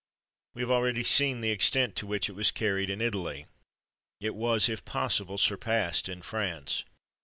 We have already seen the extent to which it was carried in Italy. It was, if possible, surpassed in France.